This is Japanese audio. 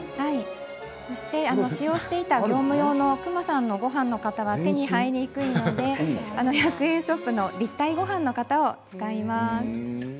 そして、使用していた業務用のくまさんのごはんの型は手に入りにくいので１００円ショップの立体ごはんの型を使います。